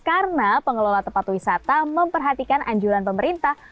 karena pengelola tempat wisata memperhatikan anjuran pemerintah